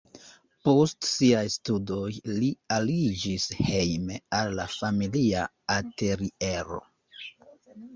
Post siaj studoj li aliĝis hejme al la familia ateliero.